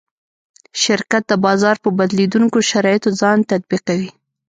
شرکت د بازار په بدلېدونکو شرایطو ځان تطبیقوي.